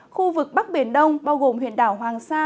khu vực bắc biển đông bao gồm huyện đảo hoàng sa